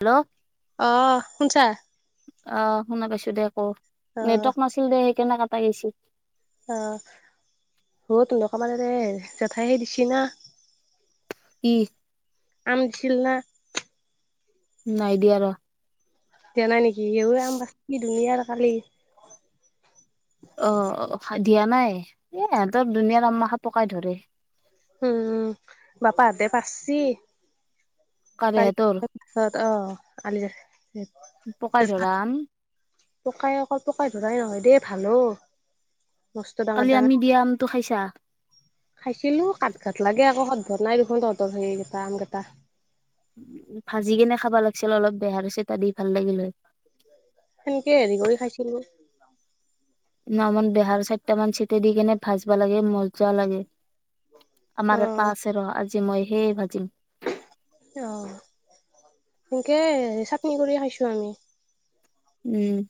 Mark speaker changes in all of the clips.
Speaker 1: Hello
Speaker 2: অহ শুনছা
Speaker 1: অহ, শুনা পাইছোঁ দে ক
Speaker 2: অ',
Speaker 1: নেটৱৰ্ক নাছিল দে সেইকাৰণে কাটা গৈছি
Speaker 2: অহ, তুহঁতক মানে দে জেঠাইহে দিছি না।
Speaker 1: কি?
Speaker 2: আম দিছিল না?
Speaker 1: নাই দিয়া ৰহ।
Speaker 2: দিয়া নাই নেকি? [unintelligible] খালি।
Speaker 1: অ অ দিয়া নাই এ ইহঁতৰ দুুনীয়া আমখা পকাই ধৰে।
Speaker 2: উম বাপা আদে পাৰছি।
Speaker 1: কাৰে সিহঁতৰ
Speaker 2: পালিত অহ
Speaker 1: পকাই
Speaker 2: [unintelligible] আ
Speaker 1: ধৰা আম
Speaker 2: পোকাই অকল পোকাই ধৰাই নহয় দেই ভাল অ। বস্তু ডাঙৰ
Speaker 1: কালি
Speaker 2: ডাঙৰ
Speaker 1: আমি দিয়া আমটো খাইছা
Speaker 2: খাইছিলো কাত ঘাত লাগে আকৌ সদ খোৱা নাই দেখোন তহঁতৰ হেৰিকেইটা আমকেইটা।
Speaker 1: ভাজি কেনে খাবা লাগিছিল অলপ বেহ চ ত দি ভাল লাগিল হয়।
Speaker 2: সেনেকে হেৰি কৰি খাইছিলো।
Speaker 1: নমাৰ বেহাৰ চাৰিট মান চিট দি কিনে ভাজবা লাগে মজা লাগে। আমাৰ
Speaker 2: অ',
Speaker 1: পছে ৰ আজ [unintelligible] জি মই সেই ভাজিম।
Speaker 2: অ এনেকে চাটনি কৰি খাইছোঁ আমি।
Speaker 1: উম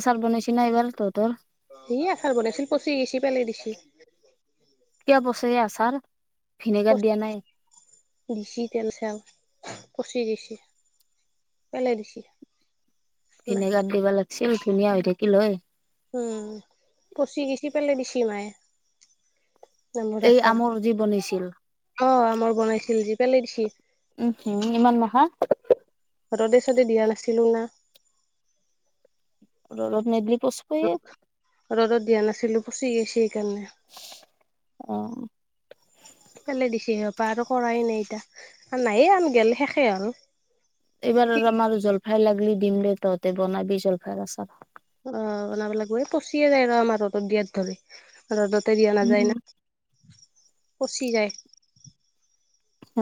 Speaker 1: আচাৰ বনাইছে না এইবাৰ তহঁতৰ?
Speaker 2: সি আচাৰ বনাইছিল পচি গৈছি পেলাই দিচি।
Speaker 1: কিয় পচে আচাৰ? ভিনেগাৰ দিয়া নাই
Speaker 2: [unintelligible] দিচি তেল চেল পচি দিছে পেলাই দিচি।
Speaker 1: ভিনেগাৰ দিবা লাগিছিল ধুনীয়া হৈ থাকিল হয়।
Speaker 2: উম পচি গিছি পেলা দিছি মায়ে। নামৰ
Speaker 1: এই
Speaker 2: আচাৰ
Speaker 1: আমৰ যি বনিছিল
Speaker 2: অ আমৰ বনাইছিল যি পেলাই দিছি
Speaker 1: উহ ইমান মাহা।
Speaker 2: ৰ'দে চদে দিয়া নাছিলো না।
Speaker 1: ৰদত নেদি
Speaker 2: ৰ'দত দিয়া নাছিলো। পচি গেছে।
Speaker 1: অ।
Speaker 2: পালেই দিছি এহোপা আৰু কৰাই নাই এতিয়া। নাই আম গেল শেষে হ'ল।
Speaker 1: এইবাৰ আৰু আমাৰ জলফাই লাগলি। দিম দে তহঁতে বনাবি জলফাই আচাৰ।
Speaker 2: অ বনাব লাগিব এই পচিয়ে যায় আৰু আমাৰ ৰতত দিয়াত ধৰি। ৰ'দতে দিয়া নাযায়
Speaker 1: উম
Speaker 2: না। পচি যায়।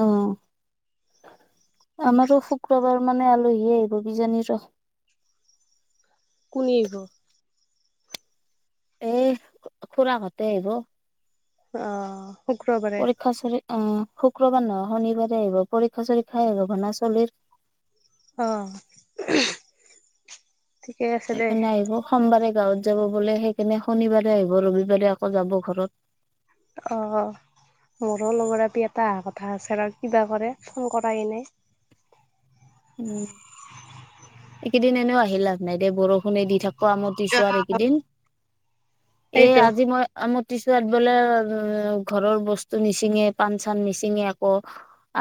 Speaker 1: অ আমাৰো শুক্ৰবাৰ মানে আলহী আহিব কিজানি ৰ।
Speaker 2: কুনি আহিব।
Speaker 1: এ খুৰা হতে আহিব।
Speaker 2: অ। শুক্ৰবাৰে
Speaker 1: পৰীক্ষা উচৰে অ। শুক্ৰবাৰ নহয় শনিবাৰে আহিব পৰীক্ষা চৰীক্ষা আহিব ভনা চলিৰ।
Speaker 2: অঁহ।
Speaker 1: সেইকাৰণে আহিব সোমবাৰে। গাঁৱত যাব বোলে সেইকাৰণে শনিবাৰে আহিব ৰবিবাৰে আকৌ যাব ঘৰত।
Speaker 2: অ মোৰো লগৰ আপী এটা অহা কথা আছে আৰু কিবা কৰে ফোন কৰা নাই।
Speaker 1: উম। এনেও আহিলাভ নাই দে বৰষুণে দি থাকো। পোৰা মতিছো আৰু এইকেইদিন এ
Speaker 2: সেইটো
Speaker 1: আজি মই আম টিছাত বোলে ঘৰৰ বস্তু নিচিঙে পাণ চান নিচিঙে আকৌ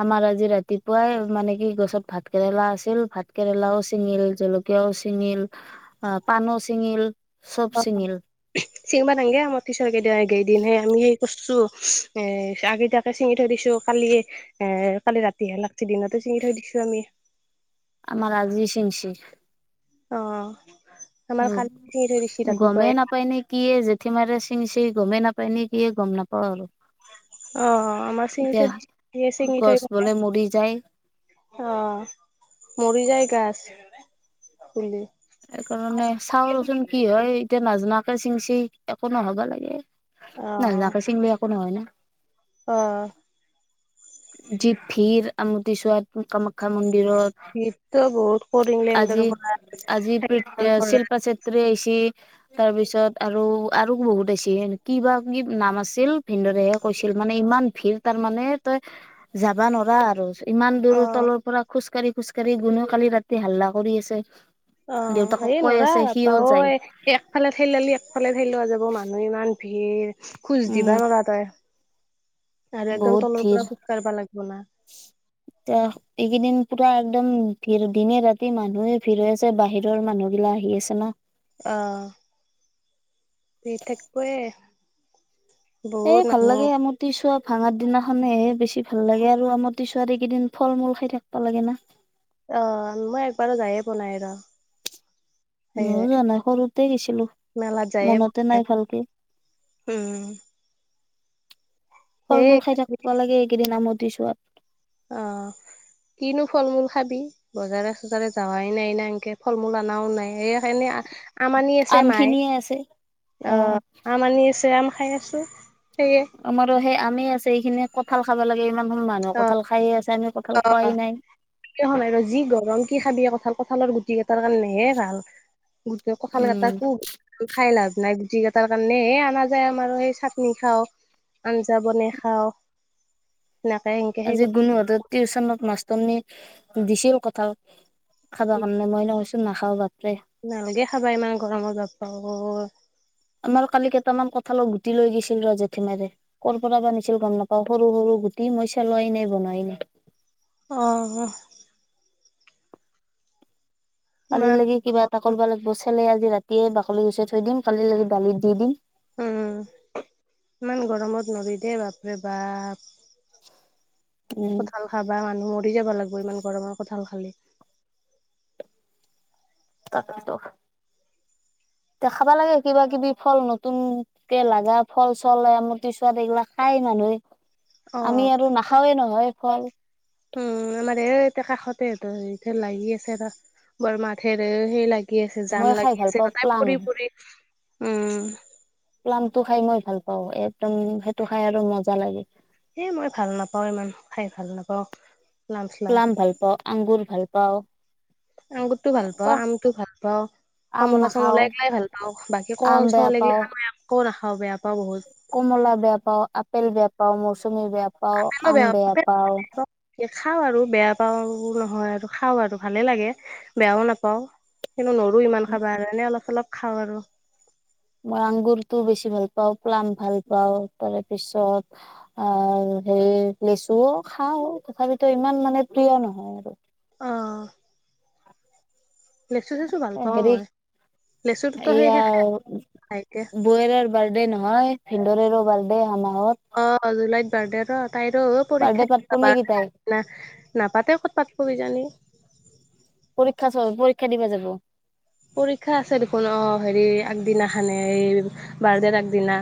Speaker 1: আমাৰ আজি ৰাতিপুৱাই মানে কি গছত ভাত কেৰেলা আছিল ভাত কেৰেলাও। চিঙিল জলকীয়াও চিঙিল অ পানও চিঙিল।
Speaker 2: অ চিঙবা নংগে আমাৰ পিছৰ কেইদগেইদিনহে আমি সেই কৰছো। এ আগেইতাকে চিঙি থৈ দিছো কালি। এ কালি ৰাতিহে লাগছি দিনতে চিঙি থৈ দিছো আমি।
Speaker 1: আমাৰ আজি চিংচি।
Speaker 2: অঁহ।
Speaker 1: গমেই নাপায় নে কি জেঠি মাৰে। ছিঙিছে গমেই নাপায় নে কি গম নাপওঁ আৰু।
Speaker 2: অ আমাৰ
Speaker 1: এতিয়া
Speaker 2: চিঙিঠৈ দি
Speaker 1: গছ
Speaker 2: চিঙিঠৈ
Speaker 1: বোলে মৰি যায়
Speaker 2: আহ মৰি জায়গা আছে [unintelligible] শুলি।
Speaker 1: সেইকাৰণে চাও ৰচোন কি হয় এতিয়া নাজাকে চিংচি একো নহবা লাগে। নজনাকে চিঙিলে একো হয় ন।
Speaker 2: অহ।
Speaker 1: যি ভীৰ আমতি ছৱাত কম। শা মন্দিৰত
Speaker 2: শীতটো বহুত কৰে ইংলেণ্ডৰ
Speaker 1: আজি
Speaker 2: পৰা
Speaker 1: আজি শিল্পা চেত্ৰী আহিছি তাৰপিছত আৰু আৰু বহুত আহিছি সেনো। কিবা কি নাম আছিল ভিনদৰেহে কৈছিল মানে ইমান ভিৰ তাৰমানানে। তই যাবা নোৱাৰা আৰু। ইমান
Speaker 2: অ
Speaker 1: দূৰৰ তলৰ পৰা খোজকাঢ়ি। খোজ কাঢ়ি গুনে কালি ৰাতি হাল্লা কৰি আছে।
Speaker 2: অ হে
Speaker 1: দেউতাকক কৈ
Speaker 2: নোৱাৰা
Speaker 1: আছে সিও
Speaker 2: অপাঐ
Speaker 1: যায়
Speaker 2: একফালে ঠে লেলি একফালে ঠে লোৱা যাব। মানুহ ইমান। ভিৰ খুজ
Speaker 1: উম
Speaker 2: দিবা নৰা তই। আৰু একদম
Speaker 1: বহুত
Speaker 2: তলৰ পৰা
Speaker 1: ভিৰ
Speaker 2: খোজ কাঢ়বা লাগব না
Speaker 1: এতিয়া এইকেইদিন। পুৰা একদম দিনে-ৰাতি মানুহে ভিৰ হৈ আছে বাহিৰৰ মানুহ বিলাক আহি আছে না।
Speaker 2: অহ। [unintelligible]
Speaker 1: এ ভাল
Speaker 2: মানুহ
Speaker 1: লাগে আমাৰটো চব ভাঙাৰ দিনা- মানেহে বেছি ভাল লাগে আৰু আমাৰ ছোৱালী কেইদিন ফল-মূল খাই থাকিব লাগে না।
Speaker 2: আহ মই একবাৰো যায়ে পোৱা নাই ৰ।
Speaker 1: মইও
Speaker 2: সেয়ে
Speaker 1: যোৱা নাই সৰুতে গৈছিলো,
Speaker 2: মেলাত যায়ে পোৱা
Speaker 1: মনতে নাই ভালকে।
Speaker 2: উম সেই
Speaker 1: ফল-মূল খাই থাকিব লাগে এইকেইদিন আমত- [unintelligible] আপ
Speaker 2: অ কিনো ফল-মূল খাবি বজাৰে-চজাৰে যাৱাই নাই ন এনেকে ফল-মূল অনাও নাই সে- আম আনি আছে
Speaker 1: আম
Speaker 2: মায়ে
Speaker 1: খিনিয়ে আছে
Speaker 2: অ আম আনি আছে আম- খাই আছোঁ।
Speaker 1: আমাৰো সে- আমে আছে এইখিনি কঁঠাল খাব লাগে। মানুহ কঠাল খাইে আছে আ।
Speaker 2: অাই ৰ যি গৰম কি খাব- [unintelligible] কঁঠাল কঁঠালৰ গুটি কেইটাৰ কাৰণে হে ভাল। গোটেই কঁঠাল
Speaker 1: উম
Speaker 2: কেইটা কো খাই লাভ নাই। গুটিকেইটাৰ কাৰণে সে আমাৰ যায় আমাৰ সেই চাটনি খাওঁ, আঞ্জা বনাই খাওঁ- সেনেকে এনকে সেই
Speaker 1: আজি
Speaker 2: -
Speaker 1: গুণহঁতৰ টিউচনত মাষ্টৰনি দিচিল কঁঠাল - খাবৰ কাৰনে মই ন কৈছো নাখাওঁ। [unintelligible]
Speaker 2: নালাগে খাবা ইমান গৰমত বাপ্পা অ।
Speaker 1: আমাৰ কালি কেইটামান কঠালৰ গুটি লৈ গৈছিল ৰ জেঠমাৰে কৰ' পৰা আনিছিল গম নাপাওঁ, সৰু সৰু গুটি মই চালো এনেই বনোৱাই নাই।
Speaker 2: অহ।
Speaker 1: কালি
Speaker 2: ইমান
Speaker 1: লেগে
Speaker 2: অ
Speaker 1: কিবা এটা কৰিবা লাগিব চেলে আজ- ৰাতিয়ে বাকলি গুচাই থৈ দিম, কালি দালিত দি দিম-
Speaker 2: উম ইমান গৰমত নৰি- দে বাপৰে-বাপ।
Speaker 1: উম
Speaker 2: কঁঠাল খাবা মানুহৰ- [unintelligible] যাব লাগিব ইমান গৰমত কঁঠাল খালে।
Speaker 1: তাকেটো। এতিয়া খাবা লাগে, কিবা কিবি ফল নতুন কে লাগা ফল-চল এমটি চুৱাত এইবিলাক খাই মানুহে।
Speaker 2: অ
Speaker 1: আমি আৰু নাখাওৱে নহয় ফল।
Speaker 2: ত ই লাগি আছে বৰ মাথেৰে সেই লাগি লাগি আছে জাম
Speaker 1: মই খাই
Speaker 2: লাগি
Speaker 1: ভাল
Speaker 2: আছে
Speaker 1: পাওঁ
Speaker 2: কদাই
Speaker 1: প্লাম
Speaker 2: ফুৰি ফু উম।
Speaker 1: প্লামটো খাই মই ভাল পাওঁ, একদম সেইটো খাই আৰু মজা লাগে।
Speaker 2: এ মই ভাল নাপাওঁ ইমান, খাই ভাল নাপাওঁ। লাম চালাম
Speaker 1: প্লাম ভাল পাওঁ, আংগুৰ ভাল [unintelligible] পাও।
Speaker 2: আংগুৰটো ভাল পাও, আমটো ভাল পাও,
Speaker 1: আম
Speaker 2: কমলা
Speaker 1: নাখাও
Speaker 2: চমলা এগিলাই ভাল পাওঁ, বাকী কল,
Speaker 1: আম
Speaker 2: চল
Speaker 1: বেয়া
Speaker 2: এগিলা
Speaker 1: পাওঁ
Speaker 2: একো নাখা হ বেয়া পাওঁ বহুত
Speaker 1: কমলা বেয়া পাও, আপেল বেয়া পাও মৌচমী বেয়া পাও, আম বেয়া পাও।
Speaker 2: এ খাওঁ আৰু বেয়া পাওঁ নহয় আৰু খাওঁ আৰু ভালে লাগে বেয়াও নাপাওঁ। কিন্তু নো ইমান খাব কাৰণে অলপ অলপ খাৱ আৰু।
Speaker 1: মই আংগুৰটো বেছি ভাল পাওঁ, প্লাম ভাল পাওঁ, তাৰ পিছত আহ হেৰি লেচুও খাওঁ তথাপিতো ইমান মানে প্ৰিয় নহয় আৰু।
Speaker 2: অ লেচু চেচু ভাল পাওঁ
Speaker 1: হেৰি
Speaker 2: মই, লেচুটোতো
Speaker 1: এয়া
Speaker 2: সেইহে খাই ভাইকে-
Speaker 1: অ এই ভিন্দৰে ৰ বাৰদে আমাৰ [unintelligible]
Speaker 2: অ জুলাই চডে ৰা [unintelligible] তাইৰো
Speaker 1: বাৰ্থডে পাতব নে
Speaker 2: পৰীক্ষা
Speaker 1: কি তাই?
Speaker 2: নাপাতে ক'ত পাতক কিজানি
Speaker 1: পৰীক্ষা চ পৰীক্ষা দিবা যাব।
Speaker 2: পৰীক্ষা আছে দেখোন অ হেৰি আগদিনাখানে এই বাৰ্ডেৰ আগদিনা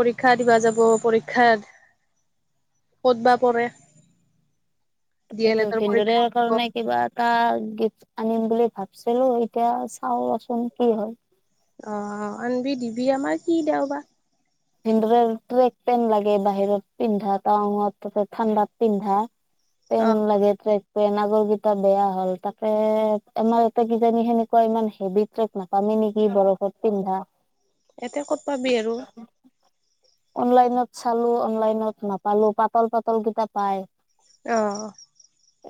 Speaker 2: পৰীক্ষা দিবা যাব পৰীক্ষা ক'ত বা পৰে ডি এল
Speaker 1: এইটো
Speaker 2: এডৰ পৰীক্ষা
Speaker 1: ভেন্দুৰিৰ
Speaker 2: দিব
Speaker 1: কাৰণে কিবা [unintelligible] এটা গিফ্ট আনিম বুলি ভাবিছিলো এতিয়া চাওচোন কি হল। [unintelligible]
Speaker 2: অ আনিবি দিবি আমাৰ কি দেও বা?
Speaker 1: ভেন্দ ট্ৰেক পেণ্ট লাগে বাহিৰত পিন্ধা টাঙত তাতে ঠাণ্ডাত পিন্ধা [unintelligible]
Speaker 2: অ
Speaker 1: পেন লাগেত ৰা [unintelligible] পেন আগৰ কেইটা বেয়া হ'ল তাকে আমাৰ এটা কিজানি সেনেকুৱা ইমান হেভি ট্ৰেক নাপামি নেকি বৰফত পিন্ধা। [unintelligible]
Speaker 2: এতে ক'ত পাবি আৰু।
Speaker 1: অনলাইনত চালো, অনলাইনত নাপালো পাতল পাতল কেইটা পাই।
Speaker 2: আহ।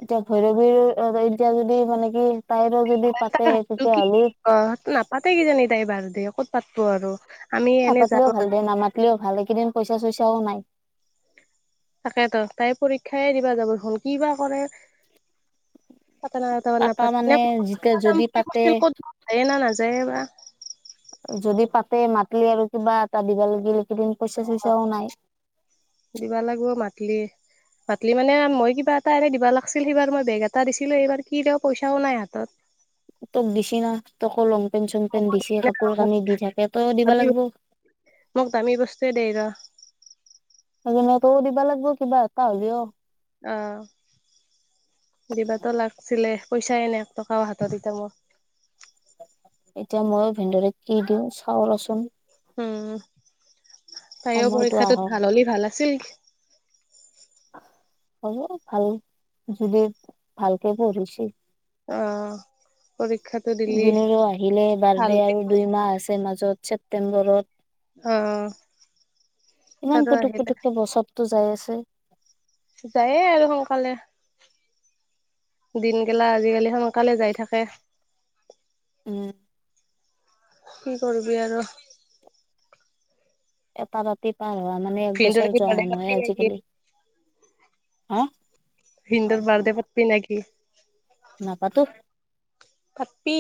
Speaker 1: এতিয়া ভৈৰৱীৰ এতিয়া যদি মানে কি তাইৰো যদি পাতে তেতিয়াহ'লে
Speaker 2: নাপাতে কিজানি তাই বাৰু দক ক'ত পাতো আৰু [unintelligible] যাম
Speaker 1: নাপাতিলেও ভাল
Speaker 2: আৰু
Speaker 1: দে নামাতিলেও ভাল কেইদিন পইচা চইচা তও নাই
Speaker 2: তাকেতো তাই পৰীক্ষাই দিবা যাব দেখোন কি বা কৰে পতনত ন
Speaker 1: পাতা মানে
Speaker 2: পাত
Speaker 1: যেতিয়া যদি
Speaker 2: যাম
Speaker 1: পাতে
Speaker 2: বুলি কৈছিল যাই না নাযায় [unintelligible] [unintelligible] যে বা [unintelligible]
Speaker 1: যদি পাতে মাতিলে আৰু কিবা এটা দিবা লাগিল [unintelligible] দিন পইচা চইচাও নাই।
Speaker 2: পাতিলি মানে মই কিবা এটা এনেই দিবা লাগছিল, সেইবাৰ মই বেগ এটা দিছিলো এইবাৰ কি দেও পইচাও নাই হাতত।
Speaker 1: তোক দিছি না তোকো লং পেনচন পেন দিছে কাপোৰ কানি দি থাকে তৈয়ো দিবা লাগব।
Speaker 2: মোক দামী বস্তুৱে দেই ৰ
Speaker 1: কোনত ও দিবা লাগব কিবা এটা হ'লেও
Speaker 2: আহ দিবাতো লাগছিলে। পইচাই নাই এক টকাও হাতত মোৰ।
Speaker 1: এতিয়া মৌ ভিনদৰে কি দিওঁ চাওঁৰচোন
Speaker 2: উম তাইও
Speaker 1: সময়টো
Speaker 2: পৰীক্ষাটোত
Speaker 1: আহক
Speaker 2: ভাল হ'লে ভাল আছিল।
Speaker 1: হব ভাল যদি ভালকে পঢ়িছে।
Speaker 2: আহ।
Speaker 1: দুনুৰো আহিলে
Speaker 2: ভাল
Speaker 1: বাৰ্থডে
Speaker 2: হ'লি
Speaker 1: আৰু
Speaker 2: ভাল।
Speaker 1: দুই মাহ আছে মাজ ত ছেপ্তেম্বৰত।
Speaker 2: অ তাতো
Speaker 1: ইমান পুটুক
Speaker 2: আহিলে
Speaker 1: পুটুককে বছতটো যাই আছে। [inaudible]
Speaker 2: যায়ে আৰু সোনকালে, দিন গেলা আজিকালি সোনকালে যাই থাকে।
Speaker 1: উম।
Speaker 2: কি কৰিবি আৰু?
Speaker 1: এটা ৰাতি পাৰ হোৱা মানে এক
Speaker 2: ভিন্দৰ
Speaker 1: বছৰ
Speaker 2: কি
Speaker 1: যোৱা
Speaker 2: বাৰ্থ দে
Speaker 1: হেন হয়
Speaker 2: পতবি নেকি?
Speaker 1: আজিকালি হা
Speaker 2: ভিন্দৰ বাৰ্থ দে পতবি নেকি?
Speaker 1: নাপাতো।
Speaker 2: পাতবি।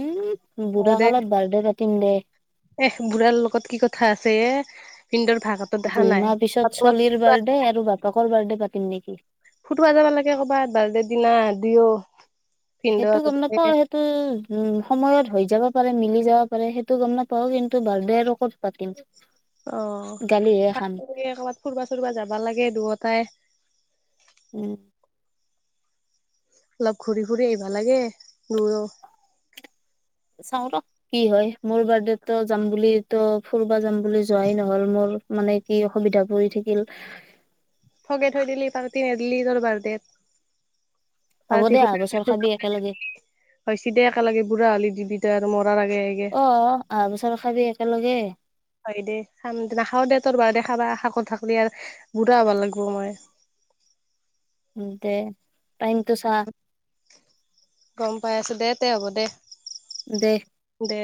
Speaker 1: উমহ বুঢ়া
Speaker 2: বাৰ্থডে
Speaker 1: কালত বাৰ্থডে পাত টীম দে
Speaker 2: এহ বুঢ়াৰ লগত কি কথা আছে এ। ভিনদেউৰ ভাগতো দেখা
Speaker 1: দুই
Speaker 2: নাই
Speaker 1: মাহ পিছত
Speaker 2: ক'বাত
Speaker 1: চলিৰ
Speaker 2: ক'বাত
Speaker 1: বাৰ্থডে আৰু বাপেকৰ বাৰ্থডে পাত টিম নেকি।
Speaker 2: ফুটোয়া যাবা লাগে কৰ'বাত বাৰ্থডে দিনা দুইও।
Speaker 1: সেইটো গম নাপাও সেইটো উম সময়ত হৈ যাব। পাৰে মিলি যাব পাৰে, সেইটো গম নাপাও, কিন্তু বাৰ্থডে আৰু কত পাতিম?
Speaker 2: অ
Speaker 1: গালিহে
Speaker 2: তাকে
Speaker 1: খাম
Speaker 2: কৰবাত ফুৰবা চুৰবা যাবা লাগে দুয়টাই।
Speaker 1: উম
Speaker 2: অলপ ঘূৰি-ফুৰি আহিব লাগে দুয়ো।
Speaker 1: চাও ৰ কি হয়। মোৰ বাৰ্থডেতো যাম বুলিতো ফুুৰবা যাম বুলি যোৱাই নহল মোৰ মানে কি অসুবিধা পৰি থাকিল।
Speaker 2: ঠগাই থৈ দিলি, পাৰ্টি নিদিলি তোৰ বাদডেত।
Speaker 1: হ'ব
Speaker 2: পাৰ্টি
Speaker 1: দে অহা
Speaker 2: খোজা
Speaker 1: বছৰ খাবি একেলগে
Speaker 2: [unintelligible] হয়চে দে একেলগে বুঢ়া হলি দিবি তাত।
Speaker 1: অ-অ অহাবছ ৰখাবি একেলগে দে
Speaker 2: হয় দে খাম দে নাখাওঁ দে তোৰ বাৰ্ডে খাবা অহা কথা শুনি থাক আৰ বুঢ়া হব লাগিব মই।
Speaker 1: দে টাইমটো চা?
Speaker 2: গম পাই আছোঁ দে, তে হ'ব দে।
Speaker 1: দে!
Speaker 2: দে